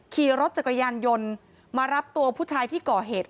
ขี่รถจักรยานยนต์มารับตัวผู้ชายที่ก่อเหตุ